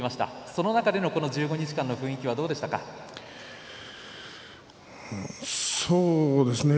その中での１５日間の雰囲気はそうですね